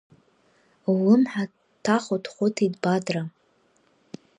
Ллымҳа дҭахәыҭ-хәыҭит Бадра.